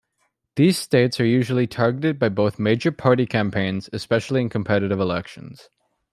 These states are usually targeted by both major-party campaigns, especially in competitive elections.